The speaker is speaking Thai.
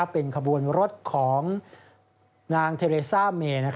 เป็นขบวนรถของนางเทเลซ่าเม